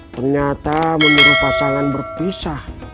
ternyata menurut pasangan berpisah